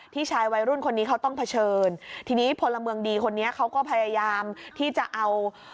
ชายวัยรุ่นคนนี้เขาต้องเผชิญทีนี้พลเมืองดีคนนี้เขาก็พยายามที่จะเอา